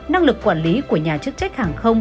năng lực quản lý của nhà chức trách hàng không